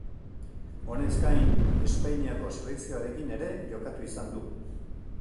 Honez gain, Espainiako selekzioarekin ere jokatu izan du.